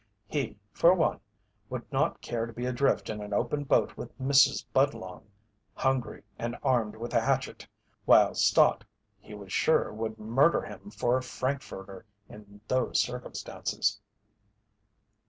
He, for one, would not care to be adrift in an open boat with Mrs. Budlong hungry and armed with a hatchet while Stott, he was sure would murder him for a frankfurter in those circumstances.